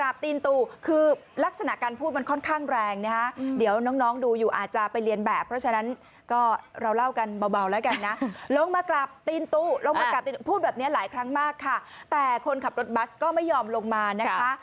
พูดแบบนี้หลายครั้งมากค่ะแต่คนขับรถบัสก็ไม่ยอมลงมานะคะ